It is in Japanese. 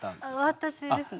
私ですね。